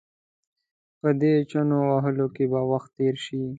په دې چنو وهلو کې به وخت تېر شي.